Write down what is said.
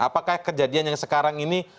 apakah kejadian yang sekarang ini